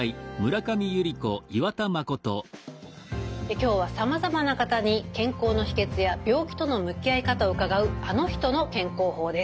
今日はさまざまな方に健康の秘けつや病気との向き合い方を伺う「あの人の健康法」です。